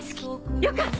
よかった！